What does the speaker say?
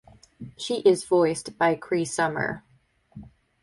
She is voiced by Cree Summer.